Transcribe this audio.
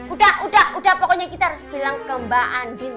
udah udah pokoknya kita harus bilang ke mbak andin